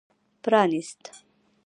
پرانېست.